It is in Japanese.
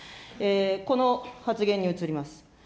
この発言に移ります。